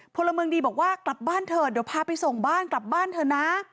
พลเมืองดีบอกว่ากลับบ้านเถอะเดี๋ยวพาไปส่งบ้านกลับบ้านเถอะนะ